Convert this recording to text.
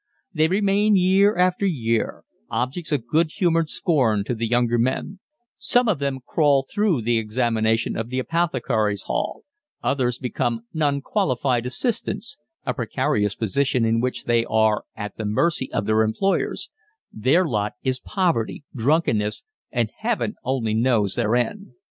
They remain year after year, objects of good humoured scorn to younger men: some of them crawl through the examination of the Apothecaries Hall; others become non qualified assistants, a precarious position in which they are at the mercy of their employer; their lot is poverty, drunkenness, and Heaven only knows their end.